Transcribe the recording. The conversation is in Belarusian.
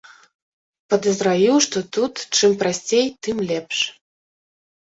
Падазраю, што тут, чым прасцей, тым лепш.